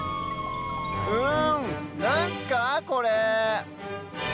うんなんすかこれ？